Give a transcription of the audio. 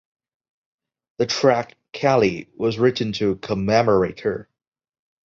The track "Callie" was written to commemorate her.